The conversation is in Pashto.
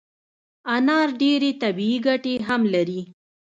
انار ډیري طبي ګټي هم لري